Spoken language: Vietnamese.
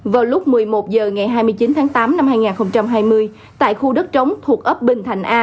vào lúc một mươi một h ngày hai mươi chín tháng tám năm hai nghìn hai mươi tại khu đất trống thuộc ấp bình thành a